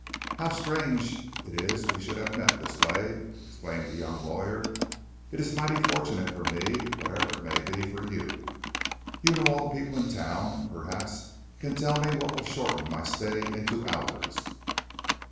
"How strange it is we should have met in this way," exclaimed the young lawyer. "It is mighty fortunate for me, whatever it may be for you. You know all the people in town, and perhaps can tell me what will shorten my stay into hours."